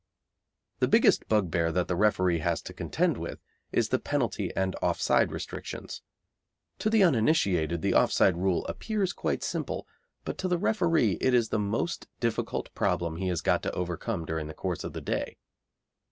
The biggest bugbear that the referee has to contend with is the penalty and offside restrictions. To the uninitiated the offside rule appears quite simple, but to the referee it is the most difficult problem he has got to overcome during the course of the day.